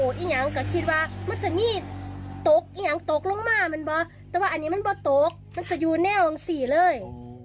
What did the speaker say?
แต่ว่าอันนี้มันบ้าตกมันจะอยู่แน่วทั้งสี่เลย